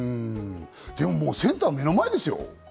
センターが目の前ですよ。